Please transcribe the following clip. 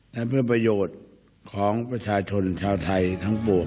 และเพื่อประโยชน์ของประชาชนชาวไทยทั้งปวง